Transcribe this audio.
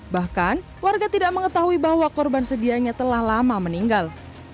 bahkan warga tidak mengetahui bahwa korban sedianya telah lama meninggal